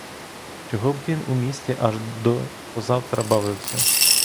Чого б він у місті аж до позавтра бавився?